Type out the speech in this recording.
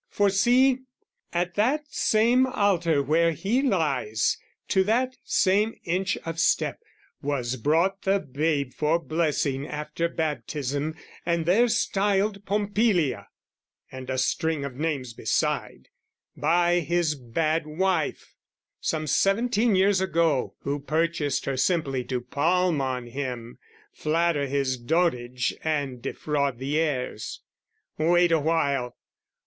For see: at that same altar where he lies, To that same inch of step, was brought the babe For blessing after baptism, and there styled Pompilia, and a string of names beside, By his bad wife, some seventeen years ago, Who purchased her simply to palm on him, Flatter his dotage and defraud the heirs. Wait awhile!